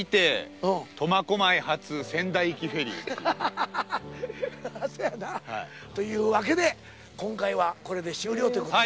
ハハハハそやな。というわけで今回はこれで終了ということで。